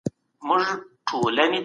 روښانه فکر ستونزي نه راوړي.